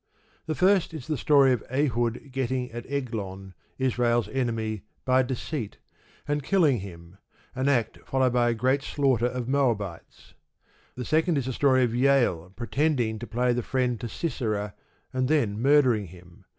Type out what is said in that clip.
The first is the story of Ehud getting at Eglon, Israel's enemy, by deceit, and killing him an act followed by a great slaughter of Moabites. The second is the story of Jael pretending to play the friend to Sisera, and then murdering him.